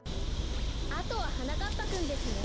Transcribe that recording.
あとははなかっぱくんですね。